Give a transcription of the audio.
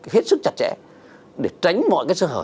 hết sức chặt chẽ để tránh mọi cái sơ hở